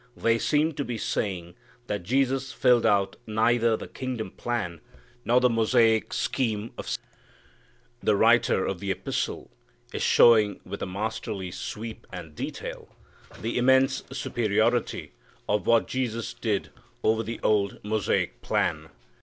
They seemed to be saying that Jesus filled out neither the kingdom plan, nor the Mosaic scheme of sacrifice. The writer of the epistle is showing with a masterly sweep and detail the immense superiority of what Jesus did over the old Mosaic plan.